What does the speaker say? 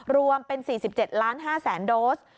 รวมเป็น๔๗๕๐๐๐โดส